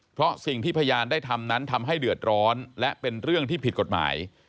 เพราะสิ่งที่พยานได้ทำนั้นทำให้เดือดร้อนและเป็นเรื่องที่ผิดกฎหมาย